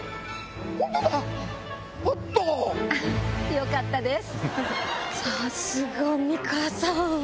よかったです！